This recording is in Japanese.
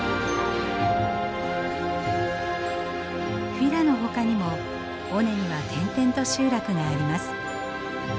フィラのほかにも尾根には点々と集落があります。